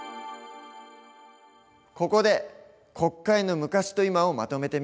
ここで国会の昔と今をまとめてみよう。